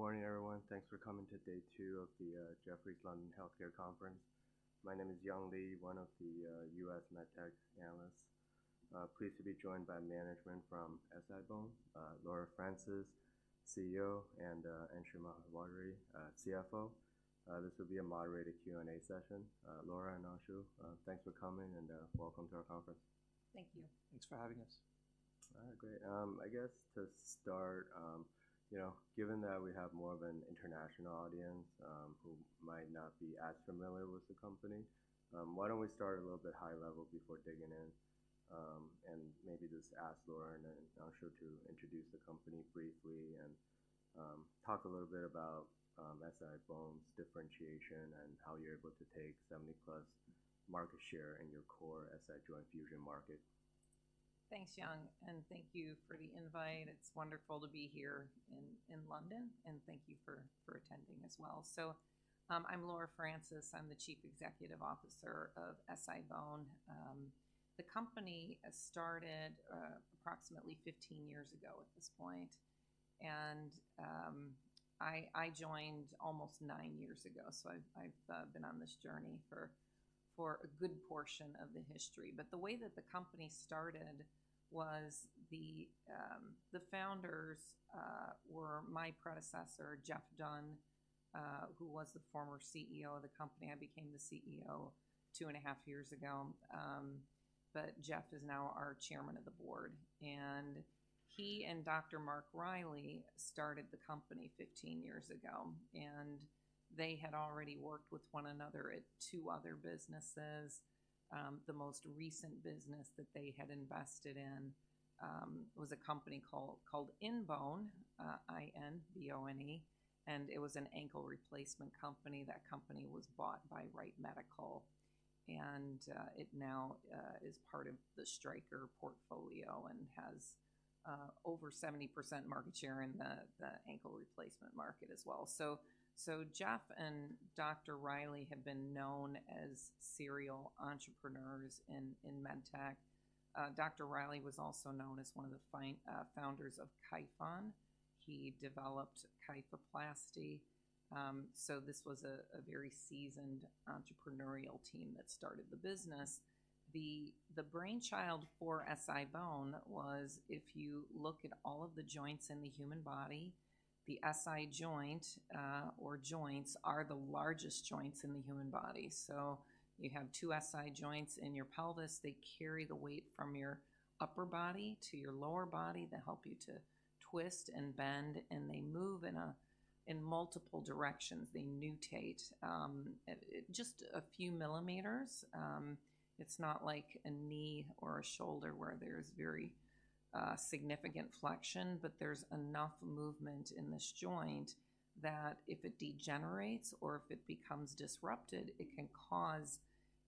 Good morning, everyone. Thanks for coming to day two of the Jefferies London Healthcare Conference. My name is Young Li, one of the U.S. MedTech analysts. Pleased to be joined by management from SI-BONE, Laura Francis, CEO, and Anshul Maheshwari, CFO. This will be a moderated Q&A session. Laura and Anshul, thanks for coming, and welcome to our conference. Thank you. Thanks for having us. All right, great. I guess to start, you know, given that we have more of an international audience, who might not be as familiar with the company, why don't we start a little bit high level before digging in, and maybe just ask Laura and Anshul to introduce the company briefly and, talk a little bit about, SI-BONE's differentiation and how you're able to take 70+ market share in your core SI joint fusion market. Thanks, Young, and thank you for the invite. It's wonderful to be here in London, and thank you for attending as well. So, I'm Laura Francis. I'm the Chief Executive Officer of SI-BONE. The company started approximately 15 years ago at this point, and I joined almost nine years ago, so I've been on this journey for a good portion of the history. But the way that the company started was the founders were my predecessor, Jeff Dunn, who was the former CEO of the company. I became the CEO 2.5 years ago. But Jeff is now our Chairman of the Board, and he and Dr. Mark Reiley started the company 15 years ago, and they had already worked with one another at two other businesses. The most recent business that they had invested in was a company called InBone, I-N-B-O-N-E, and it was an ankle replacement company. That company was bought by Wright Medical, and it now is part of the Stryker portfolio and has over 70% market share in the ankle replacement market as well. So Jeff and Dr. Reiley have been known as serial entrepreneurs in MedTech. Dr. Reiley was also known as one of the founders of Kyphon. He developed kyphoplasty, so this was a very seasoned entrepreneurial team that started the business. The brainchild for SI-BONE was, if you look at all of the joints in the human body, the SI joint, or joints, are the largest joints in the human body. So you have two SI joints in your pelvis. They carry the weight from your upper body to your lower body. They help you to twist and bend, and they move in multiple directions. They nutate just a few millimeters. It's not like a knee or a shoulder, where there's very significant flexion, but there's enough movement in this joint that if it degenerates or if it becomes disrupted, it can cause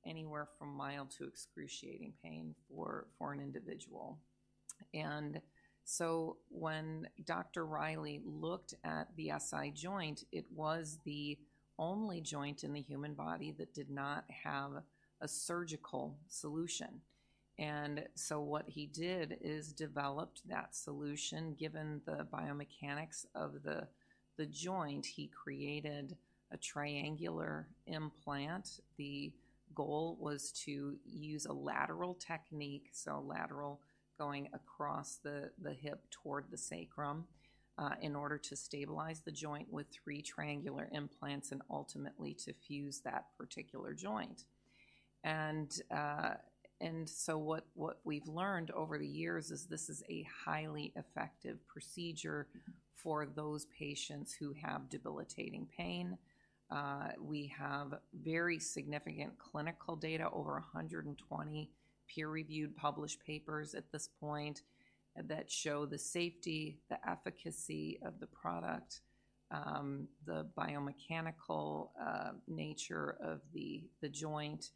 anywhere from mild to excruciating pain for an individual. When Dr. Reiley looked at the SI joint, it was the only joint in the human body that did not have a surgical solution. What he did is developed that solution. Given the biomechanics of the joint, he created a triangular implant. The goal was to use a lateral technique, so lateral going across the hip toward the sacrum, in order to stabilize the joint with three triangular implants and ultimately to fuse that particular joint. So what we've learned over the years is this is a highly effective procedure for those patients who have debilitating pain. We have very significant clinical data, over 120 peer-reviewed, published papers at this point, that show the safety, the efficacy of the product, the biomechanical nature of the joint,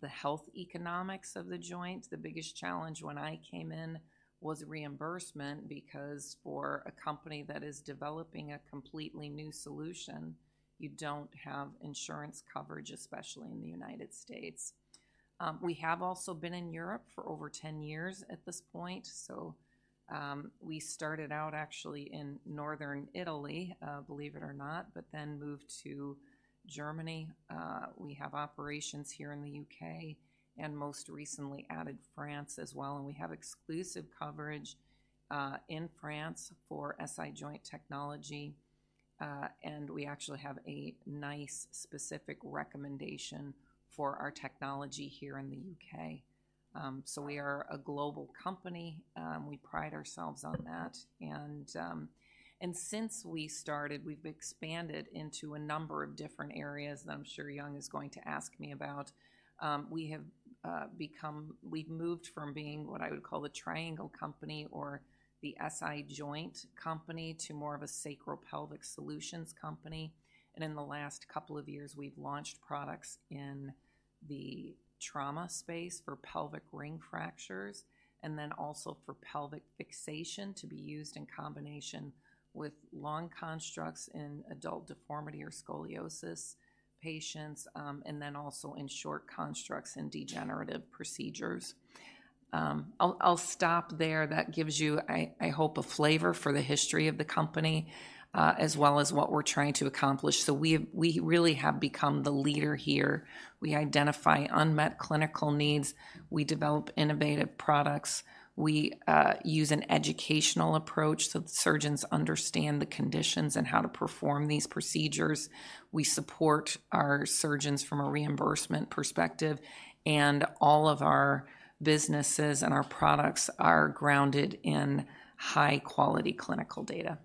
the health economics of the joint. The biggest challenge when I came in was reimbursement, because for a company that is developing a completely new solution, you don't have insurance coverage, especially in the United States. We have also been in Europe for over 10 years at this point. So, we started out actually in northern Italy, believe it or not, but then moved to Germany. We have operations here in the U.K. and most recently added France as well, and we have exclusive coverage in France for SI joint technology. And we actually have a nice specific recommendation for our technology here in the U.K.. So we are a global company. We pride ourselves on that. And since we started, we've expanded into a number of different areas, and I'm sure Young is going to ask me about. We've moved from being what I would call the triangle company or the SI joint company, to more of a sacropelvic solutions company. In the last couple of years, we've launched products in the trauma space for pelvic ring fractures, and then also for pelvic fixation to be used in combination with long constructs in adult deformity or scoliosis patients, and then also in short constructs and degenerative procedures. I'll stop there. That gives you, I hope, a flavor for the history of the company, as well as what we're trying to accomplish. We've really become the leader here. We identify unmet clinical needs. We develop innovative products. We use an educational approach so the surgeons understand the conditions and how to perform these procedures. We support our surgeons from a reimbursement perspective, and all of our businesses and our products are grounded in high-quality clinical data.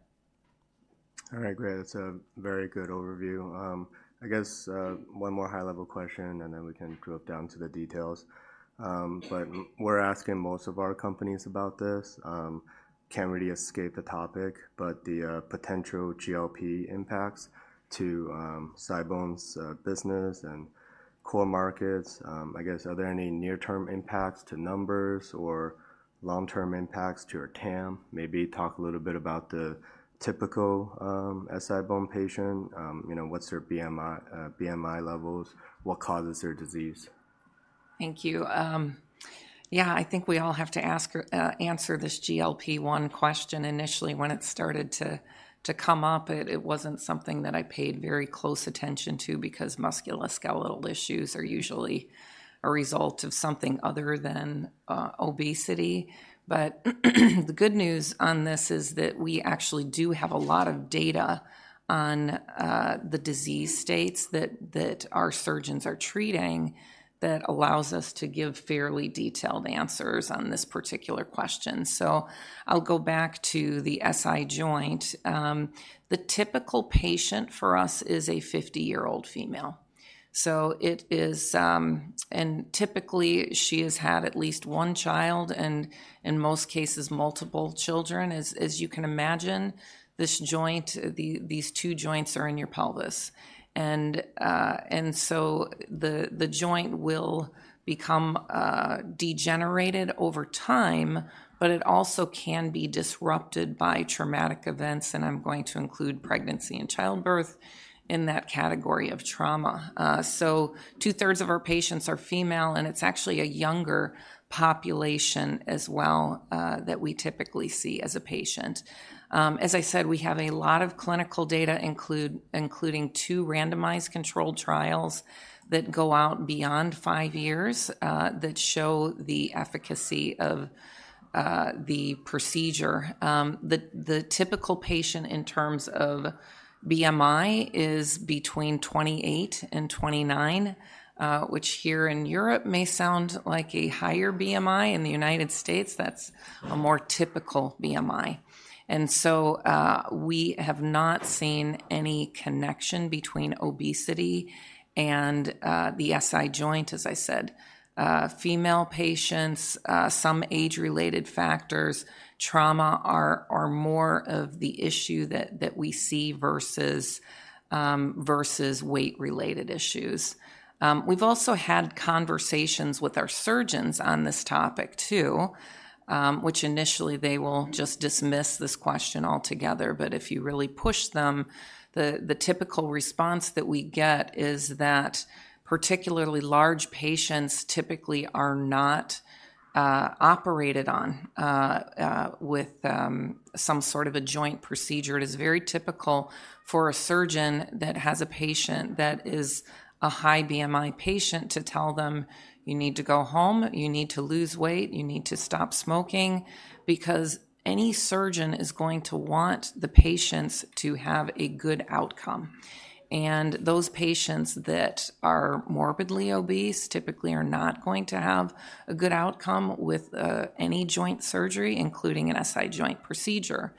All right, great. That's a very good overview. I guess, one more high-level question, and then we can drill down to the details. But we're asking most of our companies about this, can't really escape the topic, but the potential GLP impacts to SI-BONE's business and core markets. I guess, are there any near-term impacts to numbers or long-term impacts to your TAM? Maybe talk a little bit about the typical SI-BONE patient. You know, what's their BMI, BMI levels? What causes their disease? Thank you. Yeah, I think we all have to ask, answer this GLP-1 question. Initially, when it started to come up, it wasn't something that I paid very close attention to because musculoskeletal issues are usually a result of something other than obesity. But, the good news on this is that we actually do have a lot of data on the disease states that our surgeons are treating that allows us to give fairly detailed answers on this particular question. So I'll go back to the SI joint. The typical patient for us is a 50-year-old female. So it is... And typically, she has had at least one child, and in most cases, multiple children. As you can imagine, this joint, these two joints are in your pelvis. And so the joint will become degenerated over time, but it also can be disrupted by traumatic events, and I'm going to include pregnancy and childbirth in that category of trauma. So 2/3 of our patients are female, and it's actually a younger population as well, that we typically see as a patient. As I said, we have a lot of clinical data, including two randomized controlled trials that go out beyond five years, that show the efficacy of the procedure. The typical patient in terms of BMI is between 28 and 29, which here in Europe may sound like a higher BMI. In the United States, that's a more typical BMI. And so we have not seen any connection between obesity and the SI joint, as I said. Female patients, some age-related factors, trauma are more of the issue that we see versus weight-related issues. We've also had conversations with our surgeons on this topic too, which initially they will just dismiss this question altogether. But if you really push them, the typical response that we get is that particularly large patients typically are not operated on with some sort of a joint procedure. It is very typical for a surgeon that has a patient that is a high BMI patient to tell them, "You need to go home. You need to lose weight. You need to stop smoking," because any surgeon is going to want the patients to have a good outcome. Those patients that are morbidly obese typically are not going to have a good outcome with any joint surgery, including an SI joint procedure.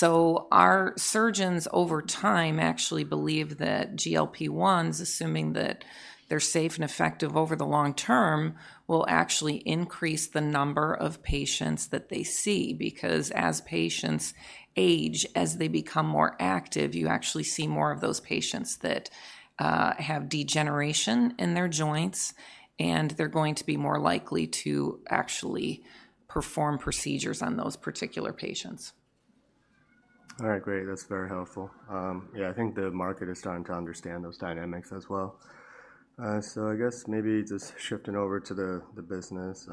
Our surgeons, over time, actually believe that GLP-1s, assuming that they're safe and effective over the long term, will actually increase the number of patients that they see, because as patients age, as they become more active, you actually see more of those patients that have degeneration in their joints, and they're going to be more likely to actually perform procedures on those particular patients. All right, great. That's very helpful. Yeah, I think the market is starting to understand those dynamics as well. So I guess maybe just shifting over to the business,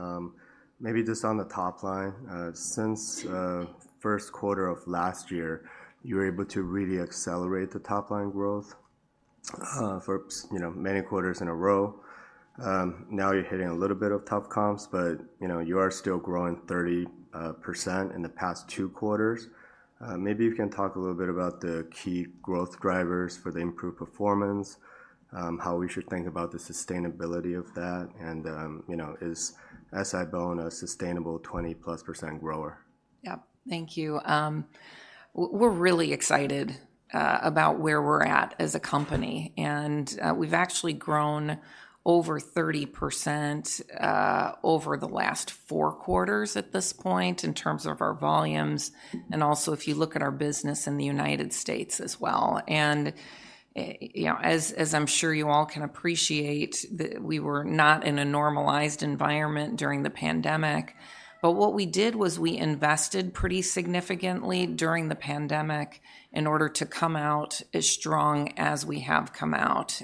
maybe just on the top line, since first quarter of last year, you were able to really accelerate the top-line growth, for you know, many quarters in a row. Now you're hitting a little bit of tough comps, but you know, you are still growing 30% in the past two quarters. Maybe you can talk a little bit about the key growth drivers for the improved performance, how we should think about the sustainability of that, and you know, is SI-BONE a sustainable 20+% grower? Yep. Thank you. We're really excited about where we're at as a company, and we've actually grown over 30% over the last four quarters at this point in terms of our volumes, and also if you look at our business in the United States as well. You know, as I'm sure you all can appreciate, we were not in a normalized environment during the pandemic. But what we did was we invested pretty significantly during the pandemic in order to come out as strong as we have come out.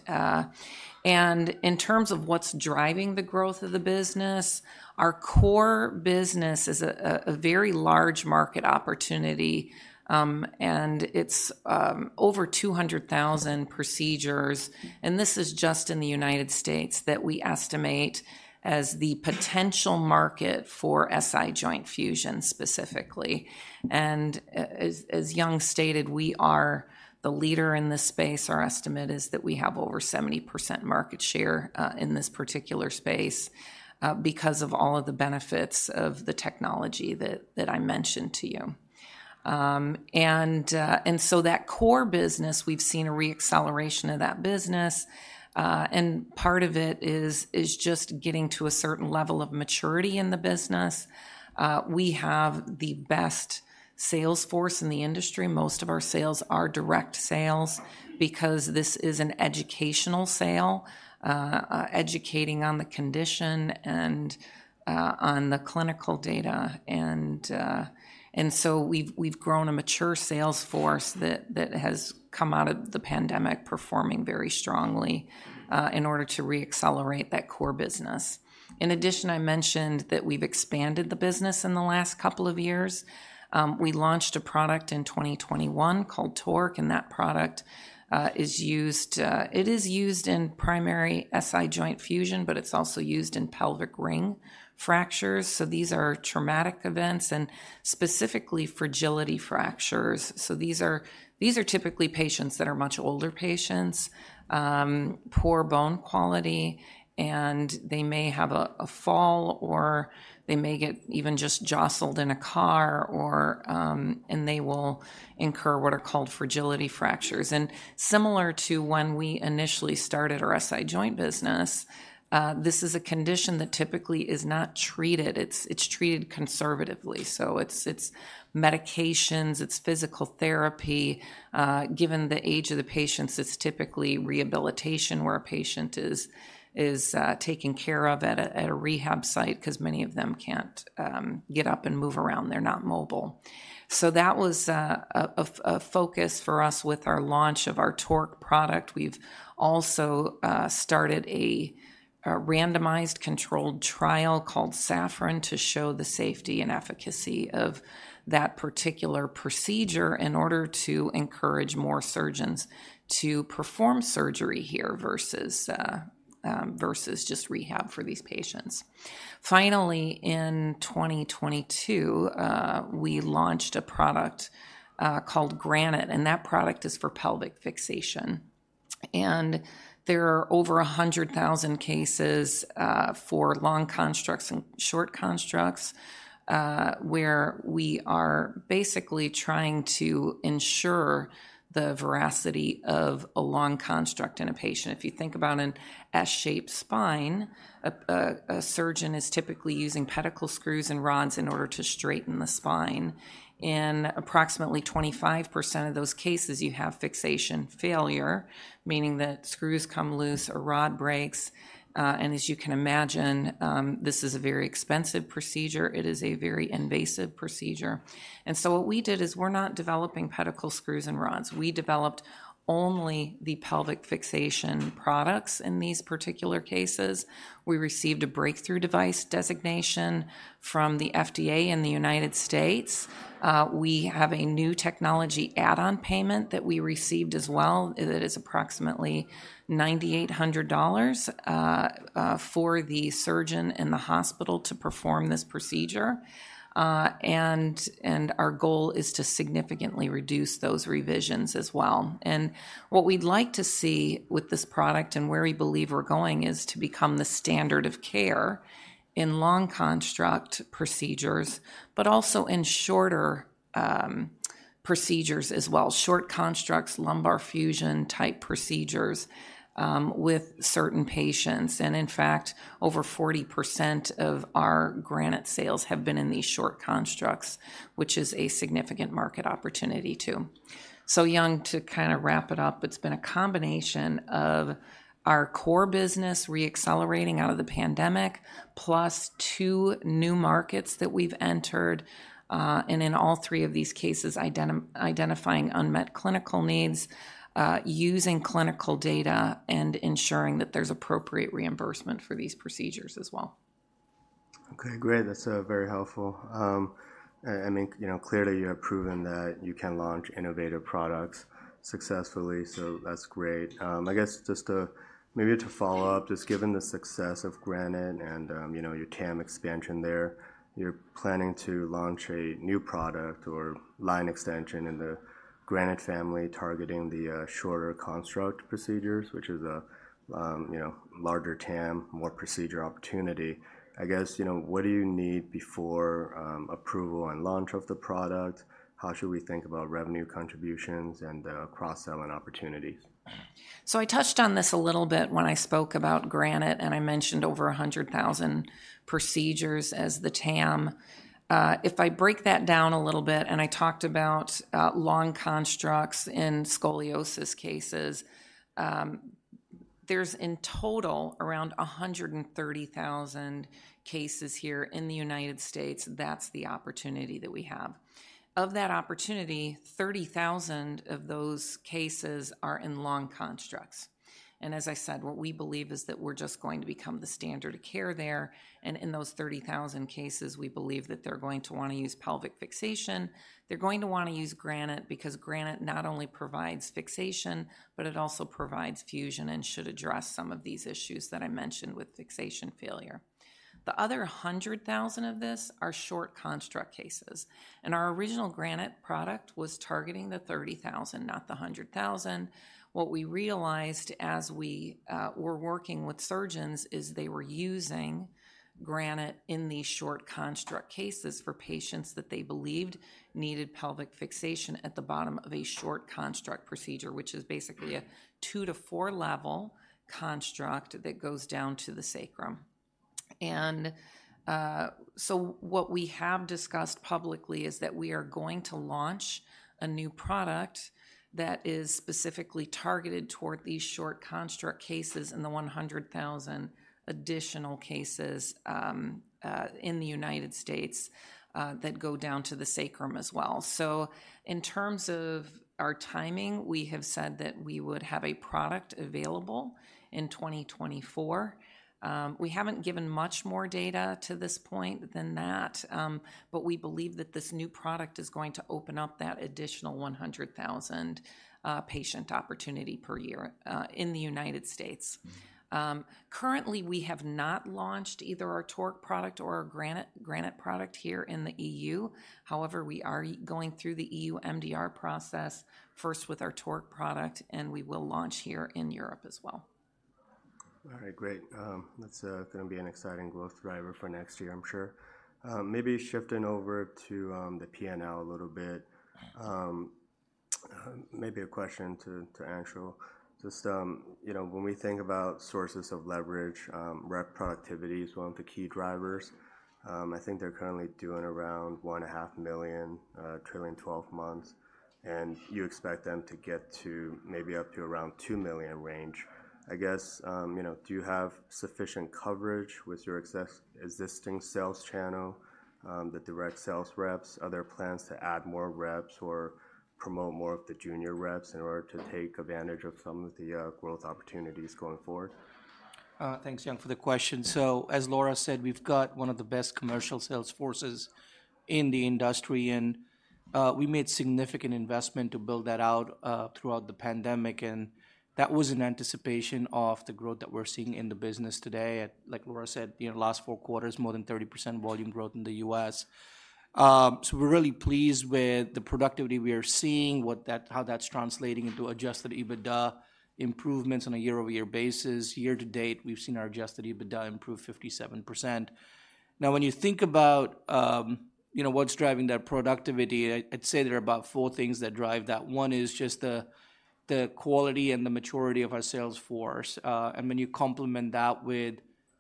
In terms of what's driving the growth of the business, our core business is a very large market opportunity, and it's over 200,000 procedures, and this is just in the United States, that we estimate as the potential market for SI joint fusion, specifically. As Young stated, we are the leader in this space. Our estimate is that we have over 70% market share in this particular space because of all of the benefits of the technology that I mentioned to you. And so that core business, we've seen a re-acceleration of that business, and part of it is just getting to a certain level of maturity in the business. We have the best sales force in the industry. Most of our sales are direct sales because this is an educational sale, educating on the condition and on the clinical data. And so we've grown a mature sales force that has come out of the pandemic performing very strongly in order to re-accelerate that core business. In addition, I mentioned that we've expanded the business in the last couple of years. We launched a product in 2021 called TORQ, and that product is used; it is used in primary SI joint fusion, but it's also used in pelvic ring fractures. So these are traumatic events and specifically fragility fractures. So these are typically patients that are much older patients, poor bone quality, and they may have a fall, or they may get even just jostled in a car, or... They will incur what are called fragility fractures. Similar to when we initially started our SI joint business, this is a condition that typically is not treated. It's treated conservatively, so it's medications, it's physical therapy. Given the age of the patients, it's typically rehabilitation, where a patient is taken care of at a rehab site because many of them can't get up and move around. They're not mobile. So that was a focus for us with our launch of our Torque product. We've also started a randomized controlled trial called SAFFRON to show the safety and efficacy of that particular procedure in order to encourage more surgeons to perform surgery here versus just rehab for these patients. Finally, in 2022, we launched a product called Granite, and that product is for pelvic fixation. There are over 100,000 cases for long constructs and short constructs where we are basically trying to ensure the veracity of a long construct in a patient. If you think about an S-shaped spine, a surgeon is typically using pedicle screws and rods in order to straighten the spine. In approximately 25% of those cases, you have fixation failure, meaning that screws come loose or rod breaks. And as you can imagine, this is a very expensive procedure. It is a very invasive procedure. So what we did is we're not developing pedicle screws and rods. We developed only the pelvic fixation products in these particular cases. We received a breakthrough device designation from the FDA in the United States. We have a new technology add-on payment that we received as well. It is approximately $9,800 for the surgeon and the hospital to perform this procedure. Our goal is to significantly reduce those revisions as well. What we'd like to see with this product and where we believe we're going is to become the standard of care in long construct procedures, but also in shorter procedures as well, short constructs, lumbar fusion-type procedures, with certain patients. In fact, over 40% of our Granite sales have been in these short constructs, which is a significant market opportunity, too. So Young, to kind of wrap it up, it's been a combination of our core business re-accelerating out of the pandemic, plus two new markets that we've entered, and in all three of these cases, identifying unmet clinical needs, using clinical data, and ensuring that there's appropriate reimbursement for these procedures as well. Okay, great. That's very helpful. And, you know, clearly you have proven that you can launch innovative products successfully, so that's great. I guess just to maybe to follow up, just given the success of Granite and, you know, your TAM expansion there, you're planning to launch a new product or line extension in the Granite family, targeting the shorter construct procedures, which is a you know, larger TAM, more procedure opportunity. I guess, you know, what do you need before approval and launch of the product? How should we think about revenue contributions and cross-selling opportunities? So I touched on this a little bit when I spoke about Granite, and I mentioned over 100,000 procedures as the TAM. If I break that down a little bit, and I talked about long constructs in scoliosis cases, there's in total around 130,000 cases here in the United States. That's the opportunity that we have. Of that opportunity, 30,000 of those cases are in long constructs. As I said, what we believe is that we're just going to become the standard of care there, and in those 30,000 cases, we believe that they're going to wanna use pelvic fixation. They're going to wanna use Granite because Granite not only provides fixation, but it also provides fusion and should address some of these issues that I mentioned with fixation failure. The other 100,000 of this are short construct cases, and our original Granite product was targeting the 30,000, not the 100,000. What we realized as we were working with surgeons is they were using Granite in these short construct cases for patients that they believed needed pelvic fixation at the bottom of a short construct procedure, which is basically a two to four level construct that goes down to the sacrum. And so what we have discussed publicly is that we are going to launch a new product that is specifically targeted toward these short construct cases and the 100,000 additional cases, in the United States, that go down to the sacrum as well. So in terms of our timing, we have said that we would have a product available in 2024. We haven't given much more data to this point than that, but we believe that this new product is going to open up that additional 100,000 patient opportunity per year in the United States. Currently, we have not launched either our Torque product or our Granite product here in the EU. However, we are going through the EU MDR process, first with our Torque product, and we will launch here in Europe as well. All right, great. That's gonna be an exciting growth driver for next year, I'm sure. Maybe shifting over to the P&L a little bit. Maybe a question to Anshul. Just, you know, when we think about sources of leverage, rep productivity is one of the key drivers. I think they're currently doing around $1.5 million, trailing twelve months, and you expect them to get to maybe up to around $2 million range. I guess, you know, do you have sufficient coverage with your existing sales channel, the direct sales reps? Are there plans to add more reps or promote more of the junior reps in order to take advantage of some of the growth opportunities going forward? Thanks, Young, for the question. So as Laura said, we've got one of the best commercial sales forces in the industry, and we made significant investment to build that out throughout the pandemic, and that was in anticipation of the growth that we're seeing in the business today. Like Laura said, you know, last four quarters, more than 30% volume growth in the U.S. So we're really pleased with the productivity we are seeing, how that's translating into Adjusted EBITDA improvements on a year-over-year basis. Year-to-date, we've seen our Adjusted EBITDA improve 57%. Now, when you think about, you know, what's driving that productivity, I'd say there are about four things that drive that. One is just the quality and the maturity of our sales force. And when you complement that with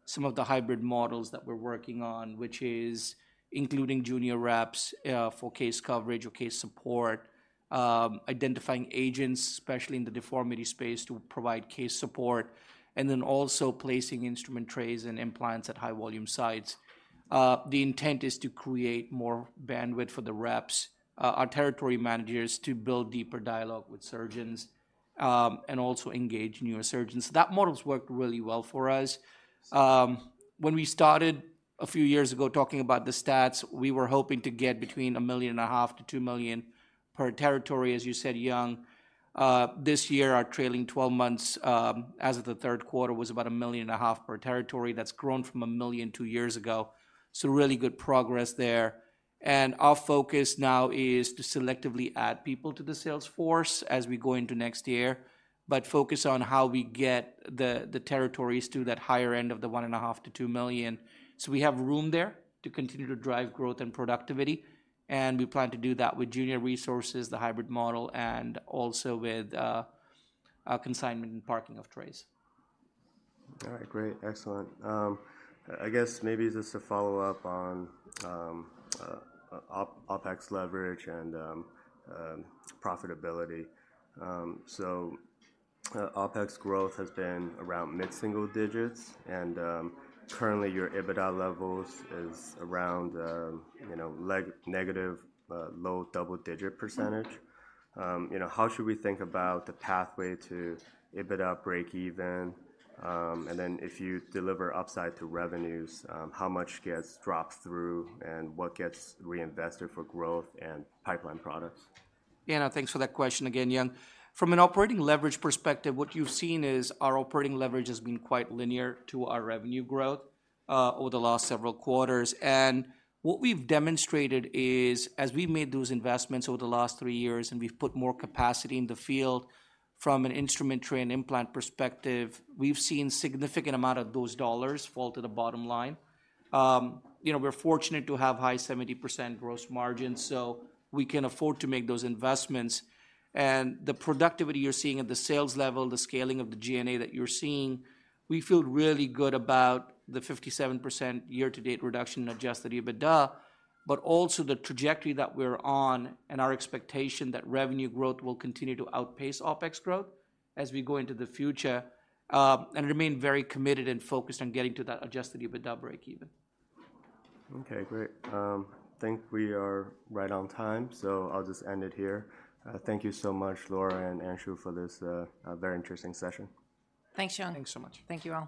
some of the hybrid models that we're working on, which is including junior reps, for case coverage or case support, identifying agents, especially in the deformity space, to provide case support, and then also placing instrument trays and implants at high volume sites. The intent is to create more bandwidth for the reps, our territory managers, to build deeper dialogue with surgeons, and also engage newer surgeons. That model's worked really well for us. When we started a few years ago, talking about the stats, we were hoping to get between $1.5 million-$2 million per territory, as you said, Young. This year, our trailing twelve months, as of the third quarter, was about $1.5 million per territory. That's grown from $1 million two years ago, so really good progress there. Our focus now is to selectively add people to the sales force as we go into next year, but focus on how we get the territories to that higher end of the $1.5 million-$2 million. So we have room there to continue to drive growth and productivity, and we plan to do that with junior resources, the hybrid model, and also with consignment and parking of trays. All right. Great. Excellent. I guess maybe just to follow up on OpEx leverage and profitability. So, OpEx growth has been around mid-single digits, and currently, your EBITDA levels is around, you know, negative, low double-digit percentage. You know, how should we think about the pathway to EBITDA breakeven? And then if you deliver upside to revenues, how much gets dropped through, and what gets reinvested for growth and pipeline products? Yeah, and thanks for that question again, Young. From an operating leverage perspective, what you've seen is our operating leverage has been quite linear to our revenue growth over the last several quarters. And what we've demonstrated is, as we've made those investments over the last three years, and we've put more capacity in the field from an instrument tray and implant perspective, we've seen significant amount of those dollars fall to the bottom line. You know, we're fortunate to have high 70% gross margins, so we can afford to make those investments. The productivity you're seeing at the sales level, the scaling of the SG&A that you're seeing, we feel really good about the 57% year-to-date reduction in Adjusted EBITDA, but also the trajectory that we're on and our expectation that revenue growth will continue to outpace OpEx growth as we go into the future, and remain very committed and focused on getting to that Adjusted EBITDA breakeven. Okay, great. Think we are right on time, so I'll just end it here. Thank you so much, Laura and Anshul, for this very interesting session. Thanks, Young. Thanks so much. Thank you all.